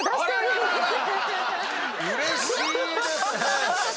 うれしいですね！